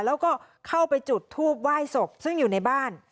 แล้วก็เข้าไปจุดทูบไหว้ศพซึ่งอยู่ในบ้าน